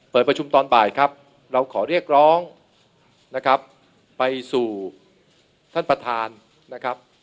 เปิดประชุมตอนบ่ายครับเราขอเรียกร้องนะครับไปสู่ท่านประธานนะครับ